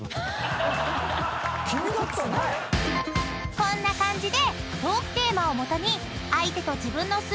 ［こんな感じで］